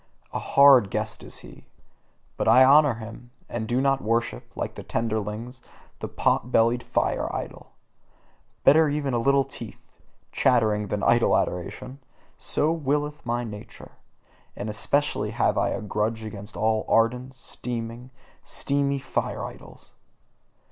A hard guest is he, but I honour him, and do not worship, like the tenderlings, the pot bellied fire idol. Better even a little teeth chattering than idol adoration! so willeth my nature. And especially have I a grudge against all ardent, steaming, steamy fire idols.